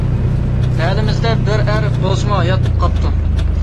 مەھەللىمىزدە بىر ئەر بولسىمۇ ھايات قاپتۇ.